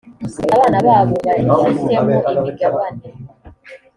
abana babo bafitemo imigabane